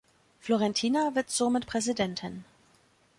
Florentyna wird somit Präsidentin.